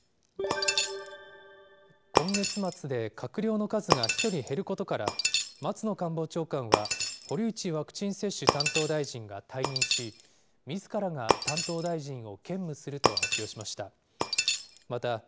今月末で閣僚の数が１人減ることから、松野官房長官は、堀内ワクチン接種担当大臣が退任し、みずからが担当大臣を兼務すると発表しました。